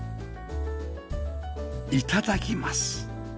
いただきます